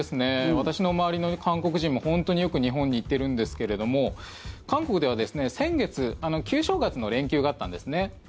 私の周りの韓国人も本当によく日本に行ってるんですけれども韓国では、先月旧正月の連休があったんですね。